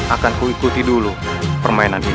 akanku ikuti dulu permainan ini